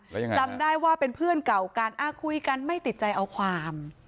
จำได้ว่าเป็นเพื่อนเก่ากันอ้าวคุยกันไม่ติดใจเอาความ